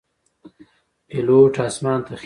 پیلوټ آسمان ته خیژي.